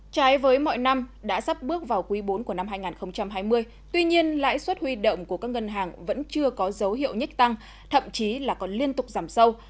trái với mọi năm đã sắp bước vào quý bốn của năm hai nghìn hai mươi tuy nhiên lãi suất huy động của các ngân hàng vẫn chưa có dấu hiệu nhất tăng thậm chí là còn liên tục giảm sâu